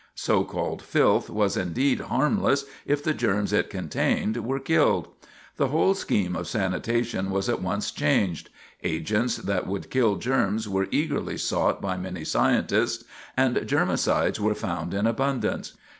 So called filth was indeed harmless if the germs it contained were killed. [Sidenote: The Scheme of Sanitation Changed] The whole scheme of sanitation was at once changed: agents that would kill germs were eagerly sought by many scientists, and germicides were found in abundance.